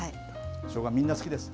しょうが、みんな好きです。